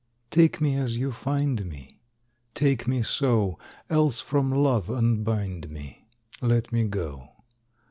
Take me as you find me, Take me so, Else from love unbind me, Let me go.